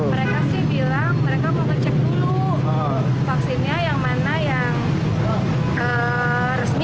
mereka sih bilang mereka mau ngecek dulu vaksinnya yang mana yang resmi